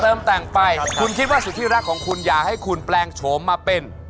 แต่งไปคุณคิดว่าสุดที่รักของคุณอย่าให้คุณแปลงโฉมมาเป็น